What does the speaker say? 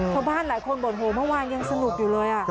ชาวบ้านหลายคนบ่นโหเมื่อวานยังสนุกอยู่เลย